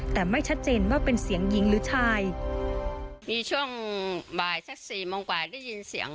แต่ไม่ชัดเจนว่าเป็นเสียงหญิงหรือชาย